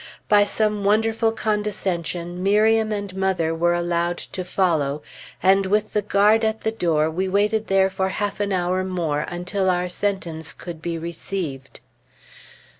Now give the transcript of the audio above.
By some wonderful condescension Miriam and mother were allowed to follow; and with the guard at the door, we waited there for half an hour more until our sentence could be received.